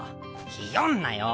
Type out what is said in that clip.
ひよんなよ！